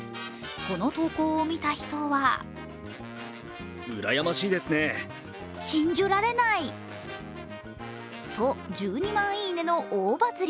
この投稿を見た人はと、１２万いいねの大バズり。